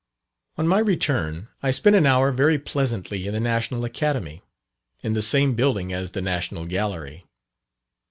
On my return, I spent an hour very pleasantly in the National Academy, in the same building as the National Gallery.